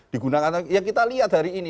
digunakan ya kita lihat hari ini